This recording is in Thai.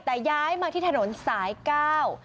แต่ย้ายมาที่ถนนสายเก้า